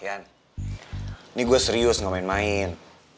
ini gue serius gak main main